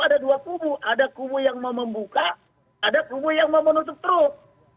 ada dua kubu ada kubu yang mau membuka ada kubu yang mau menutup truk